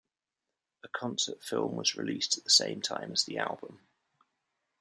A concert film was released at the same time as the album.